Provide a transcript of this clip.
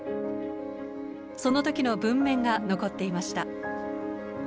その時の文面が残っていました。